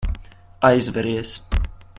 Aizveries.